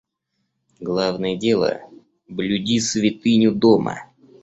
Главное дело — блюди святыню дома.